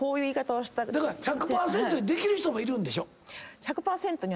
だから１００％にできる人もいるんでしょ？